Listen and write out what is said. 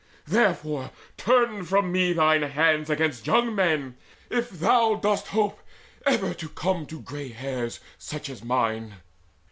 Therefore turn from me Thine hands against young men, if thou dost hope Ever to come to grey hairs such as mine."